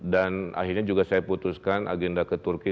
dan akhirnya juga saya putuskan agenda ke turki